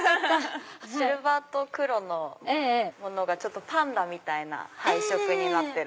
シルバーと黒のものがパンダみたいな配色になってて。